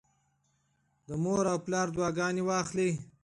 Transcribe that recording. د مور او پلار دعاګانې واخلئ.